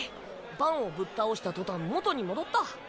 バンをぶっ倒した途端元に戻った。